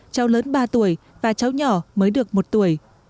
cháu lớn ba tuổi và cháu nhỏ mới được một tuổi